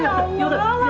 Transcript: bau usah aja